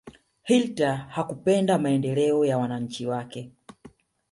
hitler hakupenda maendeleo ya wananchi wake